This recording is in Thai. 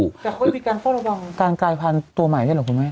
แต่เขาไม่มีการเพ้อระวังการกายพันธุ์ตัวใหม่ได้หรือครับคุณแม่